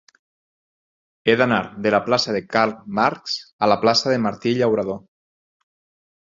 He d'anar de la plaça de Karl Marx a la plaça de Martí Llauradó.